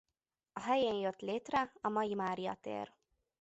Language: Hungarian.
A helyén jött létre a mai Mária tér.